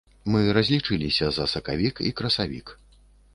Мы разлічыліся за сакавік і красавік.